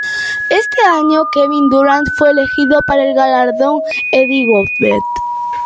Ese año Kevin Durant fue elegido para el galardón Eddie Gottlieb.